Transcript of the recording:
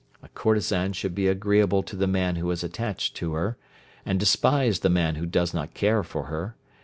"A courtesan should be agreeable to the man who is attached to her, and despise the man who does not care for her.